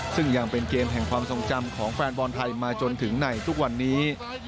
ซึ่งยังเป็นเกมแห่งความทรงจำของแฟนบอลไทยมาจนถึงในทุกวันนี้